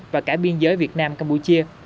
và cả biên giới việt nam campuchia